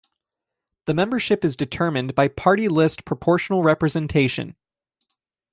The membership is determined by party-list proportional representation.